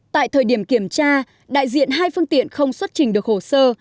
tại thời điểm kiểm tra đại diện hai phương tiện không xuất trình được hồ sơ